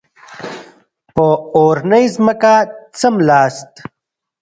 په اورنۍ ځمکه څملاست.